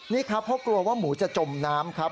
นี่ครับเพราะกลัวว่าหมูจะจมน้ำครับ